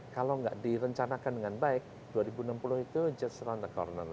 kalau nggak direncanakan dengan baik dua ribu enam puluh itu just run the corner